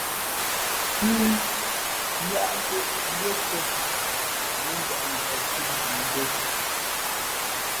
Pʉ̄h yáʼ tōʼ mbʉ́ά sēn , mēndαʼ mbak fhʉ̄nzhi ndǒ.